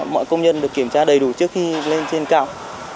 mọi công nhân được kiểm tra đầy đủ trước khi lên trên cao